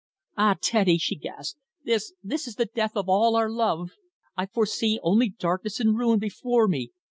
"Ah! Teddy," she gasped. "This this is the death of all our love. I foresee only darkness and ruin before me.